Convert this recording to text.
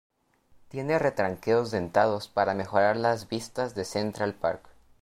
Tiene retranqueos dentados para mejorar las vistas de Central Park.